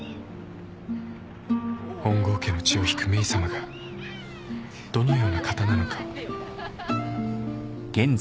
本郷家の血を引くメイさまがどのような方なのかを。